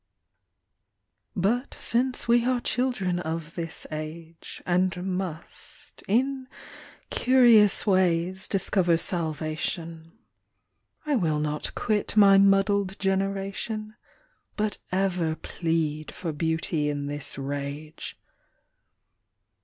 But since we are children of this age, And must in curious ways discover salvation I will not quit my muddled generation, But ever plead for Beauty in this rage.